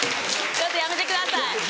ちょっとやめてください。